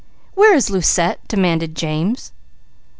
"Where is Lucette?" demanded James.